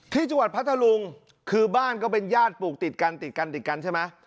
พัทธรุงคือบ้านก็เป็นญาติปลูกติดกันติดกันติดกันใช่ไหม